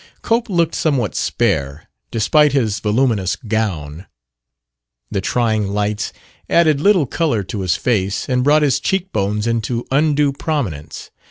Cope looked somewhat spare, despite his voluminous gown. The trying lights added little color to his face, and brought his cheek bones into undue prominence.